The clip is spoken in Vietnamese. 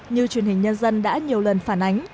như truyền hình nhân dân đã nhiều lần phản ánh